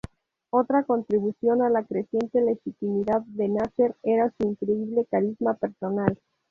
Otra contribución a la creciente legitimidad de Nasser era su increíble carisma personal.